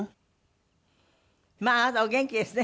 まああなたお元気ですね。